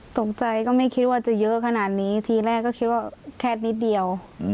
ตกใจก็ไม่คิดว่าจะเยอะขนาดนี้ทีแรกก็คิดว่าแคดนิดเดียว